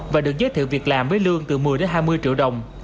và được giới thiệu việc làm với lương từ một mươi đến hai mươi triệu đồng